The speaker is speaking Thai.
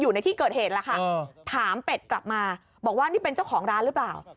อยู่ในที่เกิดเหตุแล้วค่ะถามเป็ดกลับมาบอกว่านี่เป็นเจ้าของร้านหรือเปล่า